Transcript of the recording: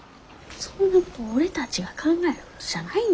そんなこと俺たちが考えることじゃないんだよ。